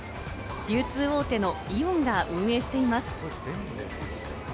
流通大手のイオンが運営しています。